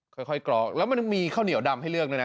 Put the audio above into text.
ค่อยกรอกแล้วมันมีข้าวเหนียวดำให้เลือกด้วยนะ